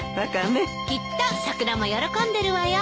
きっと桜も喜んでるわよ。